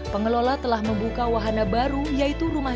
pengelola telah membuka wahana baru yaitu rumah